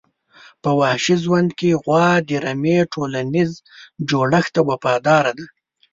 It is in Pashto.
په وحشي ژوند کې غوا د رمي ټولنیز جوړښت ته وفاداره ده.